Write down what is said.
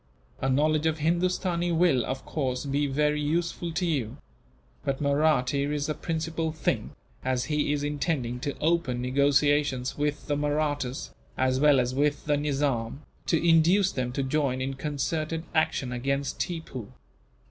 A knowledge of Hindustani will, of course, be very useful to you; but Mahratti is the principal thing, as he is intending to open negotiations with the Mahrattas, as well as with the Nizam, to induce them to join in concerted action against Tippoo.